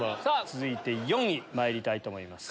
続いて４位まいりたいと思います。